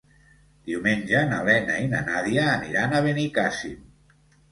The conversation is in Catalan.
Diumenge na Lena i na Nàdia aniran a Benicàssim.